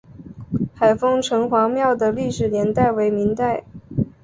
海丰城隍庙的历史年代为明代。